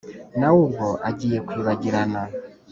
Nawe ubwo agiye kwibagirana